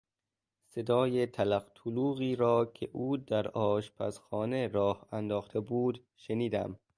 صدای تلق تلوقی را که او در آشپزخانه راه انداخته بود، شنیدم.